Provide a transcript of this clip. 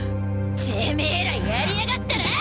てめぇらやりやがったな！